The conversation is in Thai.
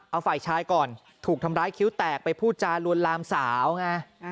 เอาฝ่ายชายก่อนถูกทำร้ายคิ้วแตกไปพูดจารวนลามสาวไง